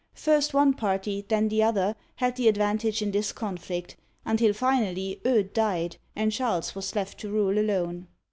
First one party, then the other, had the advantage in this conflict, until finally Eudes died and Charles was left to rule alone.